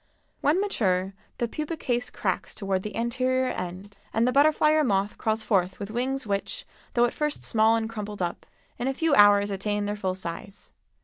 When mature the pupa case cracks toward the anterior end, and the butterfly or moth crawls forth with wings which, though at first small and crumpled up, in a few hours attain their full size.